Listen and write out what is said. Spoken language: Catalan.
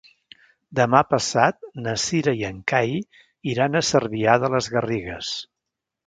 Demà passat na Cira i en Cai iran a Cervià de les Garrigues.